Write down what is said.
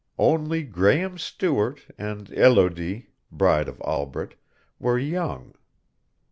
Only Graehme Stewart and Elodie, bride of Albret, were young.